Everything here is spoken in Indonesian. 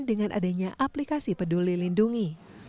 dengan adanya aplikasi peduli lindungi